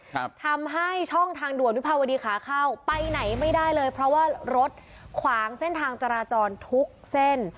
ทำให้ช่องทางด่วนวิภาวดีขาเข้าไปไหนไม่ได้เลยเพราะว่ารถขวางเส้นทางจราจรทุกเส้น